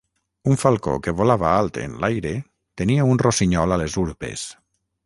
Un falcó que volava alt en l'aire tenia un rossinyol a les urpes.